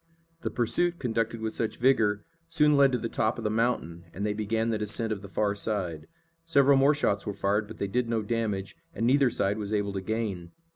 The pursuit, conducted with such vigor, soon led to the top of the mountain, and they began the descent of the far side. Several more shots were fired, but they did no damage, and neither side was able to gain.